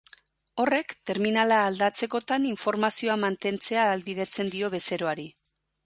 Horrek, terminala aldatzekotan informazioa mantentzea ahalbidetzen dio bezeroari.